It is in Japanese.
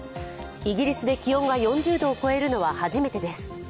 イギリスで気温が４０度を超えるのは初めてです。